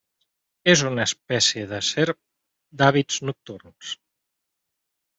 És una espècie de serp d'hàbits nocturns.